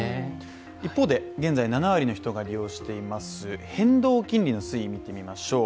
一方で現在７割の人が利用しています変動金利の推移、見てみましょう。